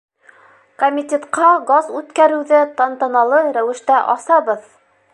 Комитетҡа газ үткәреүҙе тантаналы рәүештә асабыҙ!